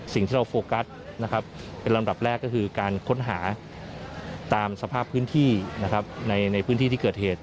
สิ่งที่เราโฟกัสนะครับเป็นลำดับแรกก็คือการค้นหาตามสภาพพื้นที่นะครับในพื้นที่ที่เกิดเหตุ